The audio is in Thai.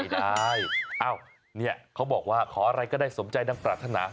ได้เนี่ยเขาบอกว่าขออะไรก็ได้สมใจดังปรารถนา